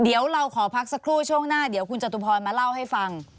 เดี๋ยวเราขอพักสักครู่ช่วงหน้าเดี๋ยวคุณจตุพรมาเล่าให้ฟัง